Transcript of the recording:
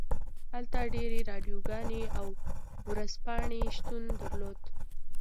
هلته ډیرې راډیوګانې او ورځپاڼې شتون درلود